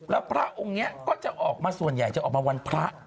แล้วพระองค์นี้ก็จะออกมาส่วนใหญ่จะออกมาวันพระ